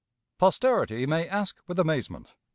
Posterity may ask with amazement.